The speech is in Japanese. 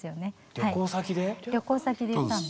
旅行先で言ったの。